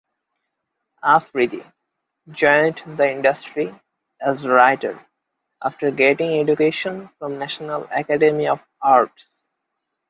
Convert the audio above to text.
Afridi joined the industry as writer after getting education from National Academy of Arts.